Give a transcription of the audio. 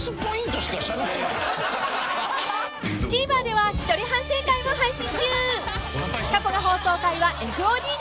［ＴＶｅｒでは一人反省会も配信中］